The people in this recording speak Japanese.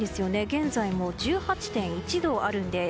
現在も１８．１度あるんです。